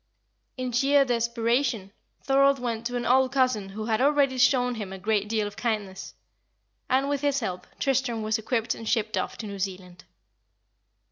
In sheer desperation, Thorold went to an old cousin who had already shown him a great deal of kindness; and, with his help, Tristram was equipped and shipped off to New Zealand.